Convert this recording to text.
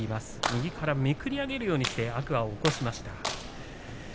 右から、めくり上げるようにして天空海を起こしました。